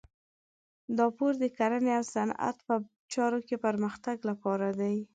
دا پور د کرنې او صنعت په چارو کې پرمختګ لپاره دی.